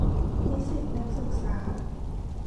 นิสิตนักศึกษา